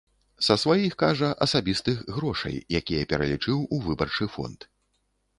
Са сваіх, кажа, асабістых грошай, якія пералічыў у выбарчы фонд.